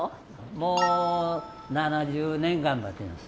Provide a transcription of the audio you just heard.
もう７０年頑張ってます。